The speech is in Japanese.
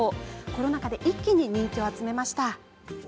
コロナ禍で一気に人気を集めました。